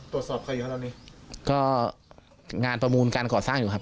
ตรวจสอบใครเยอะแล้วนี่ก็งานประมูลการก่อสร้างอยู่ครับ